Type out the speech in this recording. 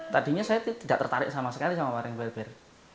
tadinya saya tidak tertarik sama sekali sama wayang beber